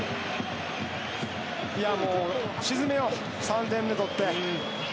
もう、沈めよう３点目取って。